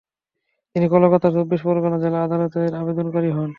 তিনি কলকাতার চব্বিশ পরগনা জেলা আদালতের আবেদনকারী হন।